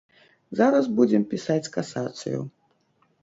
Зараз будзем пісаць касацыю.